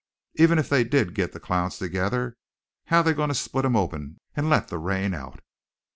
Even if they did git the clouds together, how're they goin' to split 'em open and let the rain out?"